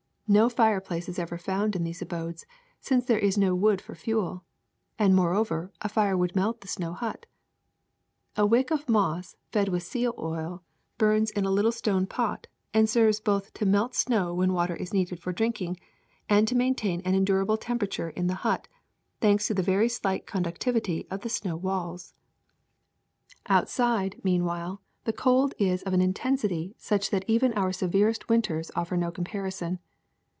No fireplace is ever found in these abodes, since there is no wood for fuel ; and, moreover, a fire would melt the snow hut. A wick of moss fed with seal oil burns in a little stone 1 See "Our Humble Helpers.'* HUMAN HABITATIONS 85 pot and serves both to melt snow when water is needed for drinking and to maintain an endurable temperature in the hut, thanks to the very slight con ductivity of the snow walls. Outside, meanwhile, the cold is of an intensity such that even our severest winters offer no comparison.